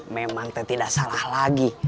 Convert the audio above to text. memang tidak salah lagi